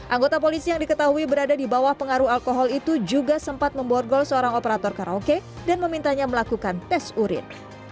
anggota polisi yang diketahui berada di bawah pengaruh alkohol itu juga sempat memborgol seorang operator karaoke dan memintanya melakukan tes urin